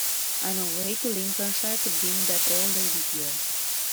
I'm away to Lincolnshire to bring that old lady here.